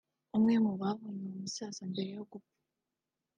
umwe mu babonye uwo musaza mbere yo gupfa